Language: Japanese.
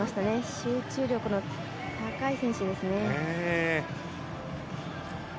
集中力の高い選手ですね。